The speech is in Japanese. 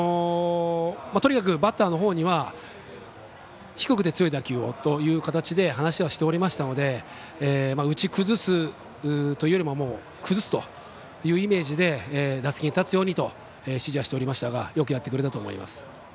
とにかくバッターの方には低くて強い打球をという形で話はしておりましたので打ち崩すというよりも崩すというイメージで打席に立つようにと指示はしておりましたがよくやってくれたと思います。